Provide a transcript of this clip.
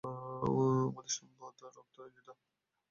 আমাদের সম্পদ রক্তে রঞ্জিত।